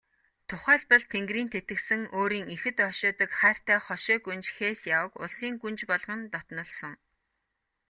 Тухайлбал, Тэнгэрийн тэтгэсэн өөрийн ихэд ойшоодог хайртай хошой гүнж Хэсяог улсын гүнж болгон дотнолсон.